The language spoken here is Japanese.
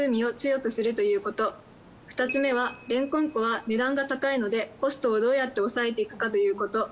２つ目はれんこん粉は値段が高いのでコストをどうやって抑えていくかということ。